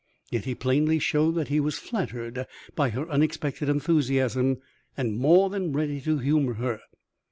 Yet he plainly showed that he was flattered by her unexpected enthusiasm and more than ready to humor her.